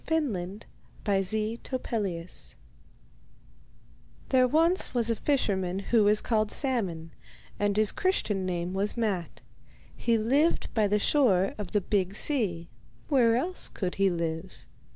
The Sea King's Gift There was once a fisherman who was called Salmon, and his Christian name was Matte. He lived by the shore of the big sea; where else could he live?